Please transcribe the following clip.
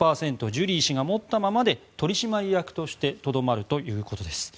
ジュリー氏が持ったままで取締役としてとどまるということです。